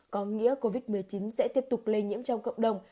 có nghĩa covid một mươi chín sẽ tiếp tục lây nhiễm trong cộng đồng